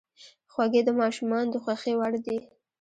خوږې د ماشومانو د خوښې وړ دي.